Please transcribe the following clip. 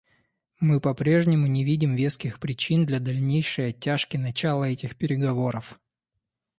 Мы по-прежнему не видим веских причин для дальнейшей оттяжки начала этих переговоров.